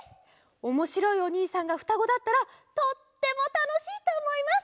おもしろいおにいさんがふたごだったらとってもたのしいとおもいます！